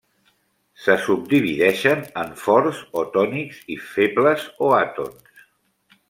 Se subdivideixen en forts o tònics i febles o àtons.